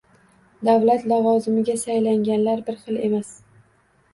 Davlat lavozimiga saylanganlar bir xil emas